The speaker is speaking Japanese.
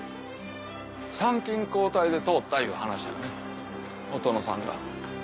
参勤交代で通ったいう話やねお殿さんが。